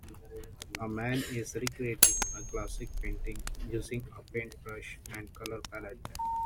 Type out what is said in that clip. A man is recreating a classic painting using a paintbrush and color pallet